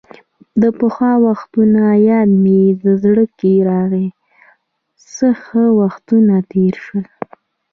د پخوا وختونو یاد مې زړه کې راغۍ، څه ښه وختونه تېر شول.